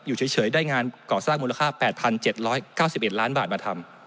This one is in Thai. อยู่เฉยได้งานก่อสร้างมูลค่า๘๗๙๑ล้านบาทมาทำ